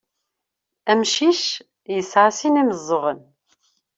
Amcic yesɛa sin imeẓẓuɣen.